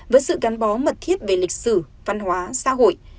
với sự gắn bó mật thiết về lịch sử văn hóa xã hội